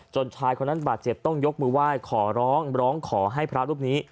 ชายคนนั้นบาดเจ็บต้องยกมือไหว้ขอร้องร้องขอให้พระรูปนี้